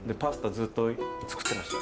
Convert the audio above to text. ずっと作ってました。